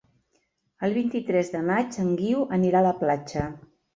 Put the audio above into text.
El vint-i-tres de maig en Guiu anirà a la platja.